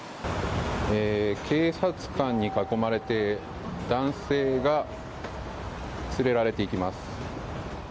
警察官に囲まれて男性が連れられていきます。